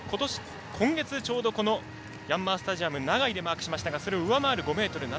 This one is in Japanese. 今月、ちょうどこのヤンマースタジアム長居で出しましたがそれを超える記録。